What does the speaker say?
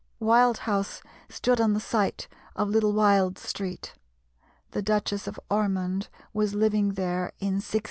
Wild House stood on the site of Little Wild Street. The Duchess of Ormond was living there in 1655.